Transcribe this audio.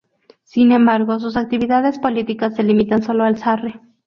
Sin embargo, sus actividades políticas se limitan solo al Sarre.